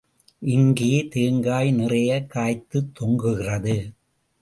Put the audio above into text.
இங்கே தேங்காய் நிறைய காய்த்துத் தொங்குகிறது.